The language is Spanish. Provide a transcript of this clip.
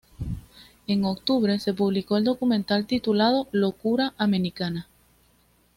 En octubre, se publicó el documental titulado "Locura Americana".